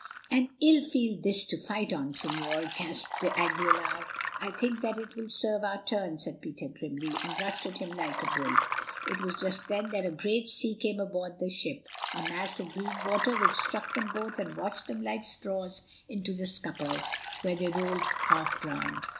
"An ill field this to fight on, Señor," gasped d'Aguilar. "I think that it will serve our turn," said Peter grimly, and rushed at him like a bull. It was just then that a great sea came aboard the ship, a mass of green water which struck them both and washed them like straws into the scuppers, where they rolled half drowned.